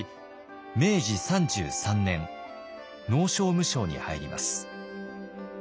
明治３３年農商務省に入ります。